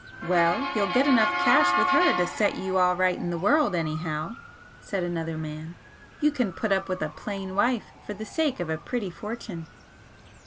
'Well, you'll get enough cash with her to set you all right in the world, anyhow,' said another man, 'You can put up with a plain wife for the sake of a pretty fortune.'